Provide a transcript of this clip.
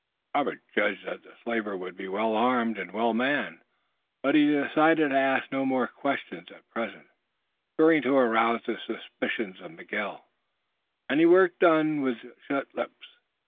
Robert judged that the slaver would be well armed and well manned, but he decided to ask no more questions at present, fearing to arouse the suspicions of Miguel, and he worked on with shut lips.